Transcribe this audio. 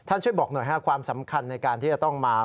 ช่วยบอกหน่อยความสำคัญในการที่จะต้องมา